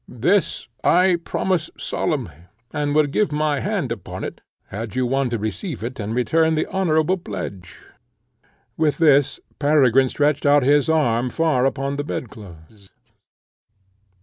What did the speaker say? This I promise solemnly, and would give my hand upon it, had you one to receive it and return the honourable pledge." With this Peregrine stretched out his arm far upon the bed clothes.